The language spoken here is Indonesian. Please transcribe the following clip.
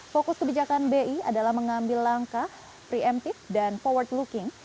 fokus kebijakan bi adalah mengambil langkah preemptive dan forward looking